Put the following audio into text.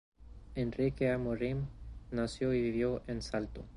Enrique Amorim nació y vivió en Salto.